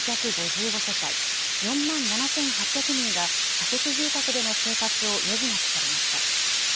世帯、４万７８００人が仮設住宅での生活を余儀なくされました。